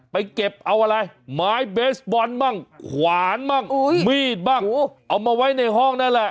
ไปเก็บเอาอะไรไม้เบสบอลบ้างขวานบ้างมีดบ้างเอามาไว้ในห้องนั่นแหละ